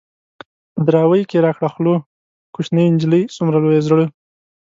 په دراوۍ کې را کړه خوله ـ کوشنۍ نجلۍ څومره لوی زړه